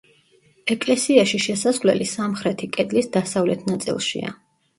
ეკლესიაში შესასვლელი სამხრეთი კედლის დასავლეთ ნაწილშია.